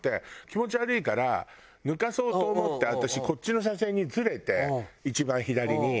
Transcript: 気持ち悪いから抜かそうと思って私こっちの車線にずれて一番左に。